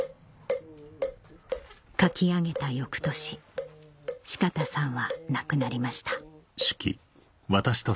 書き上げた翌年鹿田さんは亡くなりました